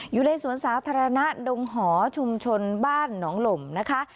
อยู่ในสวนสาธารณะดงหอชุมชนบ้านหนองหล่มนะคะ